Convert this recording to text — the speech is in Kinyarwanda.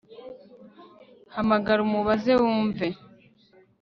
hamagara umubaze wumve